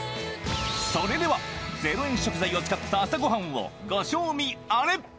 それでは、０円食材を使った朝ごはんをご賞味あれ。